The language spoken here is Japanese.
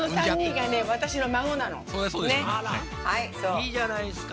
いいじゃないですか。